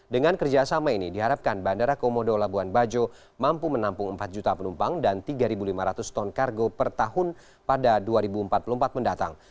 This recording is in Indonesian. dengan kerjasama ini diharapkan bandara komodo labuan bajo mampu menampung empat juta penumpang dan tiga lima ratus ton kargo per tahun pada dua ribu empat puluh empat mendatang